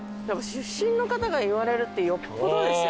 出身の方が言われるってよっぽどですよ。